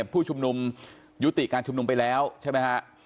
ผู้ชุมนุมยุติการชุมนุมไปแล้วใช่ไหมฮะ